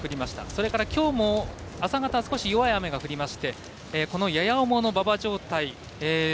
それから、きょうも、朝方少し弱い雨が降りましてこのやや重の馬場状態